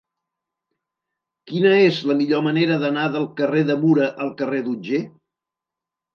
Quina és la millor manera d'anar del carrer de Mura al carrer d'Otger?